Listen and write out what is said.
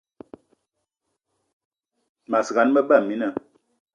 Mas gan, me ba mina.